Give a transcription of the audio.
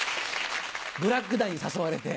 ブラック団に誘われて。